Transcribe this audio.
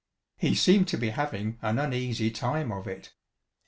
He seemed to be having an uneasy time of it.